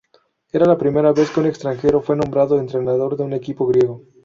Era la primera vez que un extranjero fue nombrado entrenador de un equipo griego.